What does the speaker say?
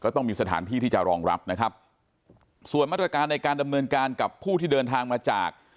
ต้องมีสถานที่ที่จะรองรับนะครับส่วนมาตรการในการดำเนินการกับผู้ที่เดินทางมาจาก